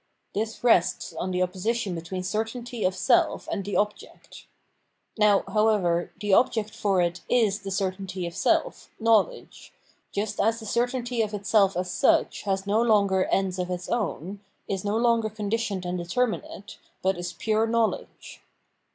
This rests on the opposition between certainty of self and the object. Now, however, the object for it is the certainty of self, knowledge : just as the cer tainty of itself as such has no longer ends of its own, is no longer conditioned and determinate, but is pure knowledge.